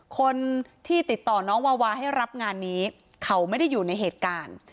คนที่ติดต่อน้องวาวาให้รับงานนี้เขาไม่ได้อยู่ในเหตุการณ์